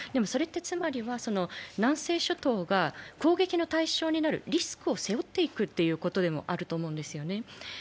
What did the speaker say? それってつまりは南西諸島が攻撃の対象になるリスクを背負っていくということでもあると思うんです。